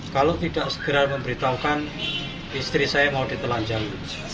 kalau tidak segera memberitahukan istri saya mau ditelanjang